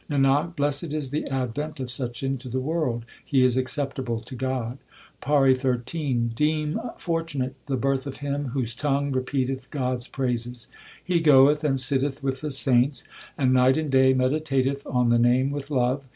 Nanak, blessed is the advent of such into the world ; he is acceptable to God. PAURI XIII Deem fortunate the birth of him Whose tongue repeateth God s praises ; He goeth and sitteth with the saints, And night and day meditateth on the Name with love.